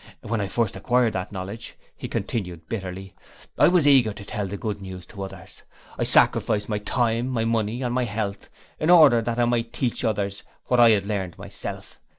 When I first acquired that knowledge,' he continued, bitterly, 'I was eager to tell the good news to others. I sacrificed my time, my money, and my health in order that I might teach others what I had learned myself.